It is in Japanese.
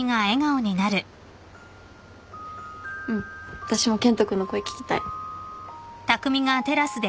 私も健人君の声聞きたい。